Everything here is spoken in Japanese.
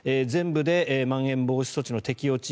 全部でまん延防止措置の適用